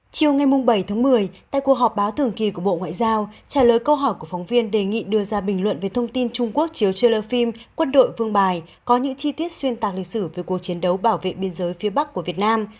chiều ngày bảy tháng một mươi tại cuộc họp báo thường kỳ của bộ ngoại giao trả lời câu hỏi của phóng viên đề nghị đưa ra bình luận về thông tin trung quốc chiếu chelle phim quân đội vương bài có những chi tiết xuyên tạc lịch sử về cuộc chiến đấu bảo vệ biên giới phía bắc của việt nam